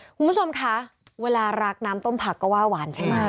คุณผู้ชมคะเวลารักน้ำต้มผักก็ว่าหวานใช่ไหม